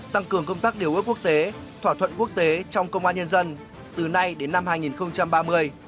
tăng cường công tác điều ước quốc tế thỏa thuận quốc tế trong công an nhân dân từ nay đến năm hai nghìn ba mươi